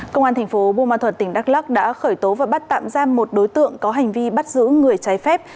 công an tp bùa ma thuận tỉnh đắk lắc đã khởi tố và bắt tạm giam một đối tượng có hành vi bắt giữ người trái phép